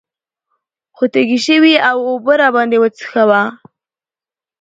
خو تږي شوي يو اوبۀ راباندې وڅښوه ـ